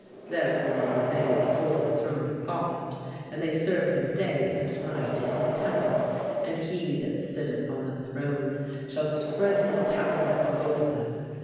Therefore are they before the throne of God; and they serve Him day and night in His temple: and He that sitteth on the throne shall spread His tabernacle over them.